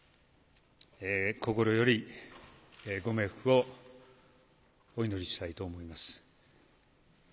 心よりご冥福をお祈りしたいと思います。